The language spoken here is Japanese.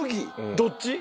どっち？